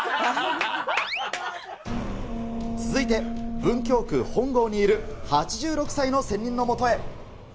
続いて、文京区本郷にいる８６歳の仙人のもとへ。